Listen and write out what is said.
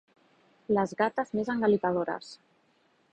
Les gates més engalipadores.